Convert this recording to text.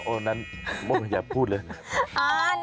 โอ้ยนั่นอย่าพูดเลย